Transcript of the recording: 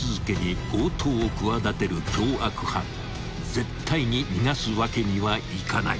［絶対に逃がすわけにはいかない］